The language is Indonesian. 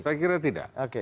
saya kira tidak